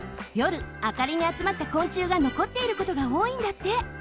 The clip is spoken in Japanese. あかりにあつまった昆虫がのこっていることがおおいんだって。